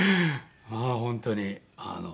まあ本当に。